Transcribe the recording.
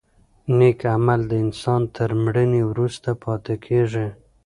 نېک عمل د انسان تر مړینې وروسته پاتې کېږي.